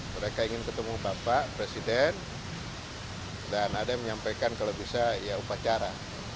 mereka ingin ketemu bapak presiden dan ada yang menyampaikan kalau bisa ya upacara